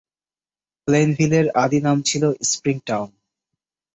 প্লেইনভিলের আদি নাম ছিল "স্প্রিং টাউন"।